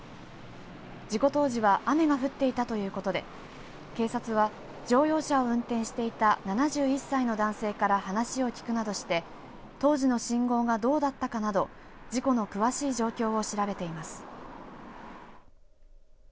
事故当時は雨が降っていたということで警察は乗用車を運転していた７１歳の男性から話を聞くなどして当時の信号がどうだったかなど事故の詳しい状況を調べています。